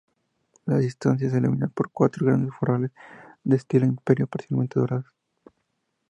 La estancia se ilumina por cuatro grandes farolas de estilo imperio parcialmente doradas.